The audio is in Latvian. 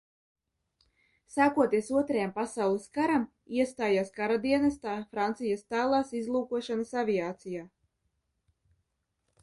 Sākoties Otrajam pasaules karam, iestājās karadienestā Francijas Tālās izlūkošanas aviācijā.